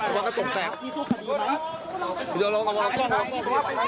แล้วก็จบแตกสู้คดีไหมครับเดี๋ยวเราเอาออกไป